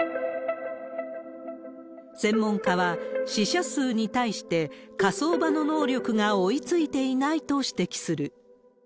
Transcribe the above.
専門家は、死者数に対して火葬場の能力が追いついていないと指摘する。